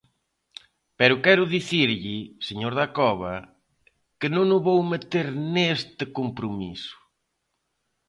Pero quero dicirlle, señor Dacova, que non o vou meter neste compromiso.